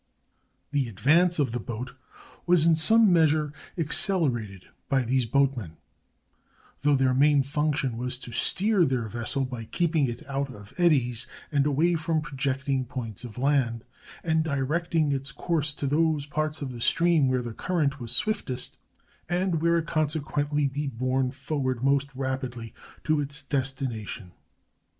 The advance of the boat was in some measure accelerated by these boatmen, though their main function was to steer their vessel by keeping it out of eddies and away from projecting points of land, and directing its course to those parts of the stream where the current was swift est, and where it would consequently be borne forward most rapidly to its destination.